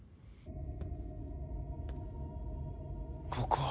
ここは？